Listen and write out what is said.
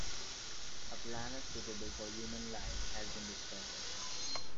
A planet suitable for human life has been discovered.